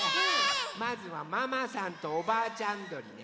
まずはママさんとおばあちゃんどりね。